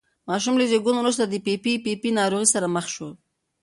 ماشوم له زېږون وروسته د پي پي پي ناروغۍ سره مخ شو.